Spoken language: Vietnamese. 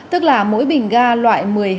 tức là mỗi bình ga loại một mươi đồng